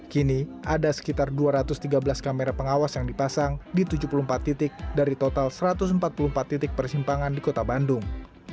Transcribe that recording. kini ada sekitar dua ratus tiga belas kamera pengawas yang dipasang di tujuh puluh empat titik dari total satu ratus empat puluh empat titik persimpangan di kota bandung